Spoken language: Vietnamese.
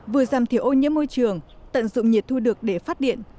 vừa giảm thiểu ô nhiễm môi trường tận dụng nhiệt thu được để phát điện